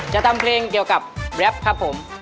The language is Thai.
จะทำเพลงเกี่ยวกับแรปครับผม